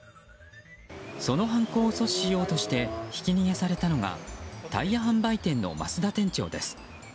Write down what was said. その犯行を阻止しようとしてひき逃げされたのがタイヤ販売店の増田店長です。